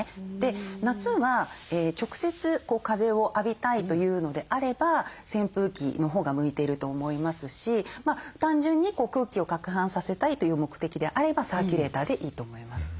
夏は直接風を浴びたいというのであれば扇風機のほうが向いてると思いますし単純に空気をかくはんさせたいという目的であればサーキュレーターでいいと思います。